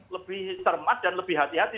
lebih cermat dan lebih hati hati